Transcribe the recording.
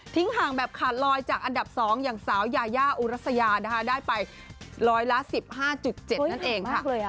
ห่างแบบขาดลอยจากอันดับ๒อย่างสาวยายาอุรัสยานะคะได้ไปร้อยละ๑๕๗นั่นเองค่ะ